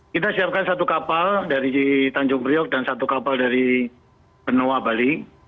kita siapkan satu kapal dari tanjung priok dan satu kapal dari benoa bali